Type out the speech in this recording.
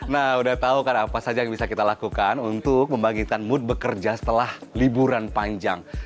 nah udah tau kan apa saja yang bisa kita lakukan untuk membagikan mood bekerja setelah liburan panjang